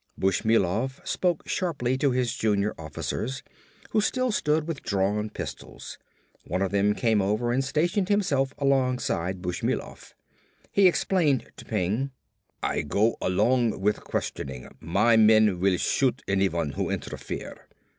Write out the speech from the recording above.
Bushmilov spoke sharply to his junior officers who still stood with drawn pistols. One of them came over and stationed himself alongside Bushmilov. He explained to Peng, "I go on with questioning. My men will shoot anyone who interfere."